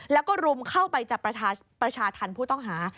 แล้วก็รุมเข้าไปจับประชาธรรมผู้ต้องหา